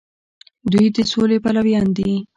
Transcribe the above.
دوی د سولې پلویان دي.